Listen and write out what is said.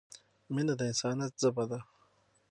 مینه د انسانیت ژبه ده.